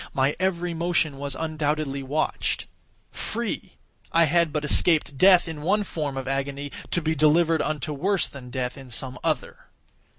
My every motion was undoubtedly watched. Free!—I had but escaped death in one form of agony, to be delivered unto worse than death in some other.